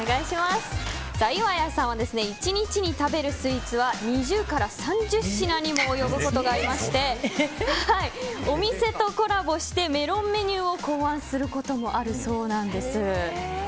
岩谷さんは１日に食べるスイーツは２０から３０品にも及ぶことがありましてお店とコラボしてメロンメニューを考案することもあるそうなんです。